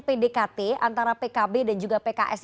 pdkt antara pkb dan juga pks